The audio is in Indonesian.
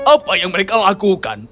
apa yang mereka lakukan